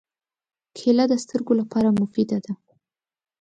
کېله د سترګو لپاره مفیده ده.